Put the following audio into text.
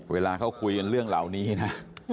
เวลาเขาคุยกันเรื่องเหล่านี้นะ